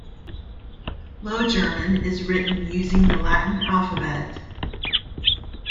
Low German is written using the Latin alphabet.